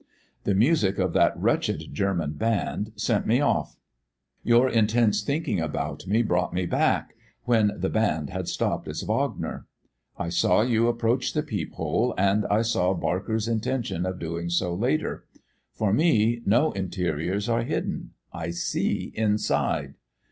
The music of that wretched German band sent me off. Your intense thinking about me brought me back when the band had stopped its Wagner. I saw you approach the peep hole and I saw Barker's intention of doing so later. For me no interiors are hidden. I see inside.